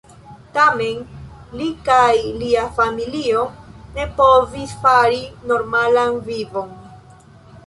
Tamen li kaj lia familio ne povis fari normalan vivon.